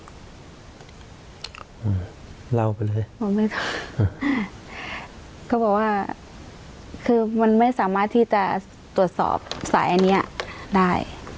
เราไปเลยอ่าเขาบอกว่าคือมันไม่สามารถที่จะตรวจสอบสายอันเนี้ยได้